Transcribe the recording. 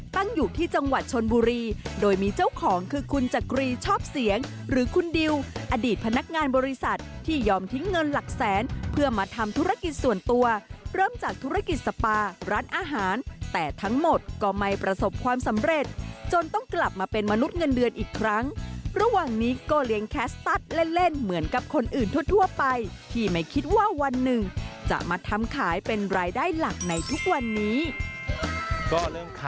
ตั้งอยู่ที่จังหวัดชนบุรีโดยมีเจ้าของคือคุณจกรีชอบเสียงหรือคุณดิวอดีตพนักงานบริษัทที่ยอมทิ้งเงินหลักแสนเพื่อมาทำธุรกิจส่วนตัวเริ่มจากธุรกิจสปาร้านอาหารแต่ทั้งหมดก็ไม่ประสบความสำเร็จจนต้องกลับมาเป็นมนุษย์เงินเดือนอีกครั้งระหว่างนี้ก็เลี้ยงแคสตั๊ดเล่นเหมื